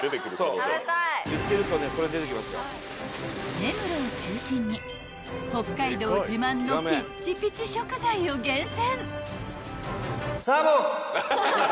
［根室を中心に北海道自慢のピッチピチ食材を厳選］